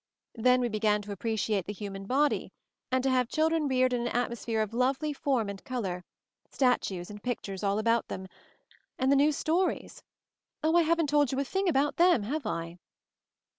Then we began to appreciate the human body and to have chil dren reared in an atmosphere of lovely form and color, statues and pictures all about them, and the new stories — Oh! I haven't told you a thing about them, have I